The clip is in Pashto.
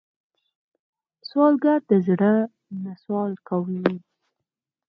سوالګر د زړه نه سوال کوي